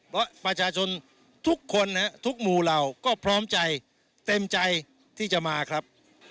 เพราะประชาชนทุกคนทุกหมู่เหล่าก็พร้อมใจเต็มใจที่จะมาครับ